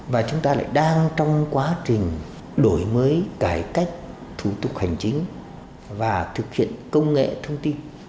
và chúng ta lại đang trong quá trình đổi mới cải cách thủ tục hành chính và thực hiện công nghệ thông tin